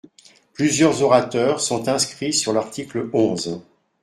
Plusieurs orateurs sont inscrits sur l’article onze.